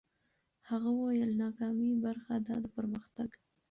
هغه وویل، ناکامي برخه ده د پرمختګ.